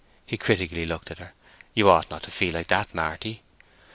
He looked critically at her. "You ought not to feel like that, Marty."